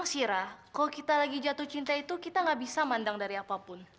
sira kalau kita lagi jatuh cinta itu kita gak bisa mandang dari apapun